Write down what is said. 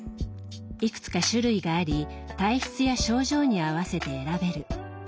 いくつか種類があり体質や症状に合わせて選べる。